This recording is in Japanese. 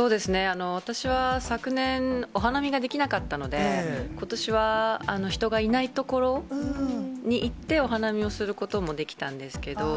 私は昨年、お花見ができなかったので、ことしは人がいない所に行って、お花見をすることもできたんですけど。